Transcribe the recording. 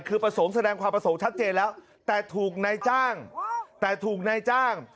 คือแสดงความประสงค์ชัดเจนแล้วแต่ถูกนายจ้าง